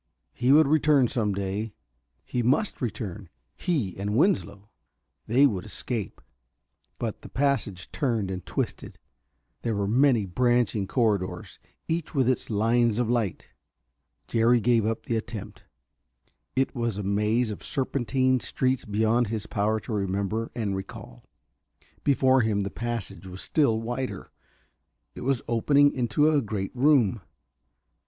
He would return some day he must return he and Winslow. They would escape.... But the passage turned and twisted; there were many branching corridors, each with its lines of light. Jerry gave up the attempt. It was a maze of serpentine streets beyond his power to remember and recall. Before him the passage was still wider. It was opening into a great room....